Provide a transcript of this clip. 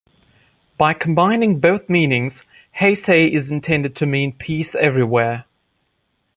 By combining both meanings, Heisei is intended to mean "peace everywhere".